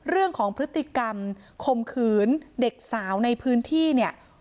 เรื่องของพฤติกรรมคมขืนเด็กสาวในพื้นที่เนี่ย